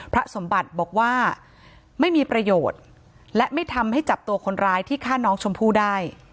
พระสมบัติบอกว่าไม่มีประโยชน์และไม่ทำให้จับตัวคนร้ายที่ฆ่าน้องชมพู่ได้